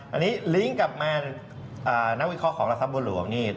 อันนี้ลิงก์กับแมนนักวิเคราะห์ของหลักทรัพย์บัวหลวงนี่